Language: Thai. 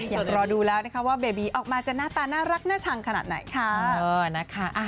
อยากรอดูแล้วนะคะว่าเบบีออกมาจะหน้าตาน่ารักน่าชังขนาดไหนค่ะ